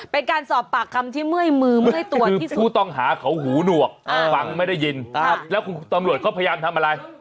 เป็นการสอบปากคำที่เมื่อยมือเมื่อยตัวที่สุดผู้ต้องหาเขาหูหนวกฟังไม่ได้ยินแล้วคุณตำรวจเขาพยายามทำอะไร